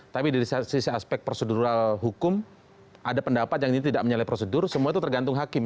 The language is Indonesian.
tapi dari sisi aspek prosedural hukum ada pendapat yang ini tidak menyalahi prosedur semua itu tergantung hakim